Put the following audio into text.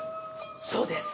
そうです！